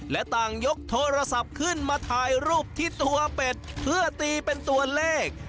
และต่างยกโทรศัพท์ขึ้นมาถ่ายรูปที่ตัวเป็ดเพื่อตีเป็นตัวเลข